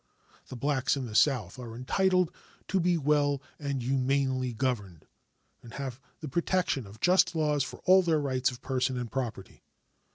The blacks in the South are entitled to be well and humanely governed, and to have the protection of just laws for all their rights of person and property.